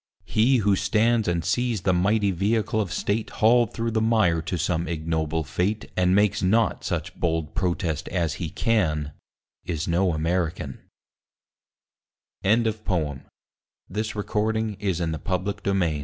He who stands And sees the mighty vehicle of State Hauled through the mire to some ignoble fate And makes not such bold protest as he can, Is no American, A MINOR CHORD I heard a strain of music in the str